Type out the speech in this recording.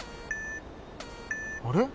あれ？